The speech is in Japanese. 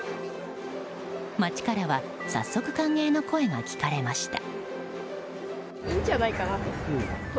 街からは早速、歓迎の声も聞かれました。